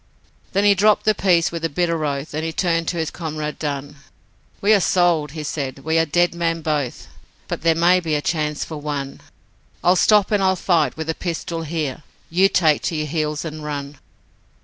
Then he dropped the piece with a bitter oath, And he turned to his comrade Dunn: 'We are sold,' he said, 'we are dead men both, But there may be a chance for one; I'll stop and I'll fight with the pistol here, You take to your heels and run.'